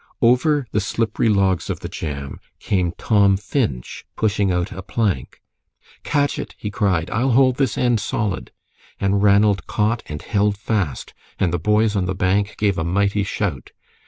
Over the slippery logs of the jam came Tom Finch pushing out a plank. "Catch it!" he cried, "I'll hold this end solid." And Ranald caught and held fast, and the boys on the bank gave a mighty shout.